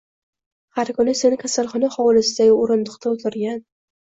Har kuni seni kasalxona hovlisidagi o’rindiqda o’tirgan